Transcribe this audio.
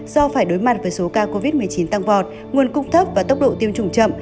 do phải đối mặt với số ca covid một mươi chín tăng vọt nguồn cung thấp và tốc độ tiêm chủng chậm